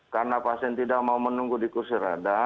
karena pasien tidak mau menunggu di kursi roda